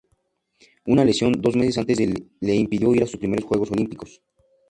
Una lesión dos meses antes le impidió ir a sus primeros Juegos Olímpicos.